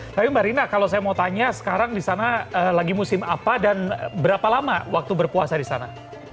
tapi mbak rina kalau saya mau tanya sekarang di sana lagi musim apa dan berapa lama waktu berpuasa di sana